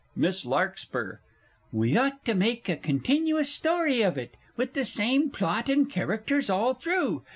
MISS LARKSPUR. We ought to make a continuous story of it, with the same plot and characters all through.